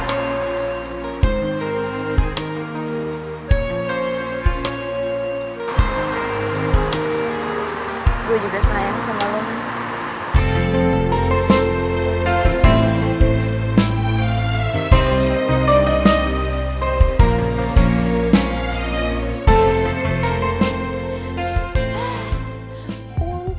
tidak ada yang bisa dikendalikan